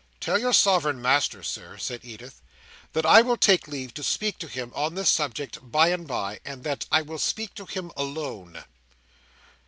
"Tell your sovereign master, Sir," said Edith, "that I will take leave to speak to him on this subject by and bye, and that I will speak to him alone."